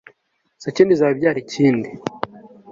sakindi izaba ibyara ikindi